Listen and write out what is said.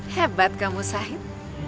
hebat kamu sahin